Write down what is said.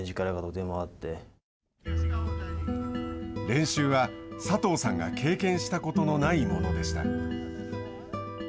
練習は、佐藤さんが経験したことのないものでした。